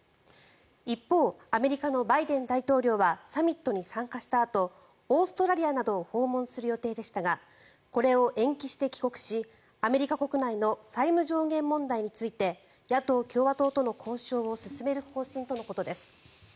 一方、アメリカのバイデン大統領はサミットに参加したあとオーストラリアなどを訪問する予定でしたがこれを延期して帰国しアメリカ国内の債務上限問題について野党・共和党との交渉を進める方針とのことです。